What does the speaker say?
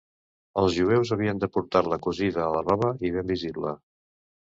Els jueus havien de portar-la cosida a la roba i ben visible.